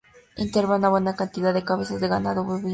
Inverna una buena cantidad de cabezas de ganado bovino.